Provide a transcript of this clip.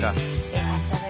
よかったね。